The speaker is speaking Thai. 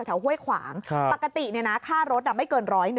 ห้วยขวางปกติค่ารถไม่เกิน๑๐๑